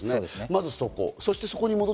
まずそこ。